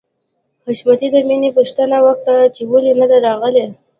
حشمتي د مینې پوښتنه وکړه چې ولې نده راغلې